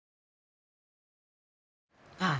ああ。